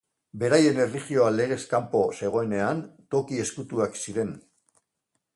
Beraien erlijioa legez kanpo zegoenen, toki ezkutuak ziren.